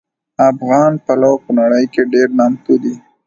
افغان پلو په نړۍ کې ډېر نامتو دي